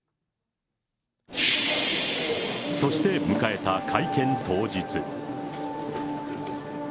そして迎えた会見当日。